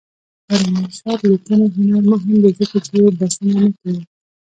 د علامه رشاد لیکنی هنر مهم دی ځکه چې بسنه نه کوي.